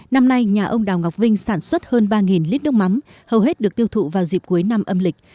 năm nay nhà ông đào ngọc vinh sản xuất hơn ba lít nước mắm hầu hết được tiêu thụ vào dịp cuối năm âm lịch